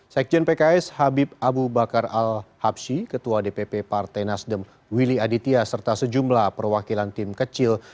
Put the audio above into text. sekjen pks habib abu bakar al habshi ketua dpp partai nasdem willy aditya serta sejumlah perwakilan tim kecil